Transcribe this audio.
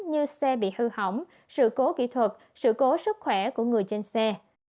như xe bị hư hỏng sự cố kỹ thuật sự cố sức khỏe của người trên xe